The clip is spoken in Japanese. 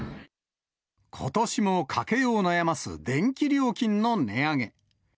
ことしも家計を悩ます電気料金の値上げ。